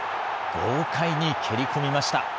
豪快に蹴り込みました。